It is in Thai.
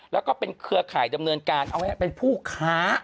แล้วก็เป็นเครือข่ายดำเนินการเอาให้เป็นผู้ค้า